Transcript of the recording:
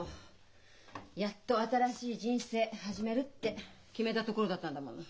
やっと新しい人生始めるって決めたところだったんだもの。